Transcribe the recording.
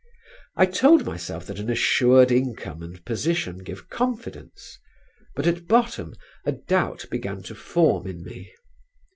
I told myself that an assured income and position give confidence; but at bottom a doubt began to form in me.